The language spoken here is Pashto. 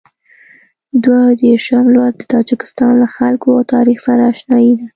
دوه دېرشم لوست د تاجکستان له خلکو او تاریخ سره اشنايي ده.